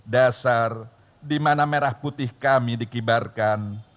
dasar dimana merah putih kami dikibarkan